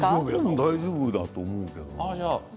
大丈夫だと思うんですけどね。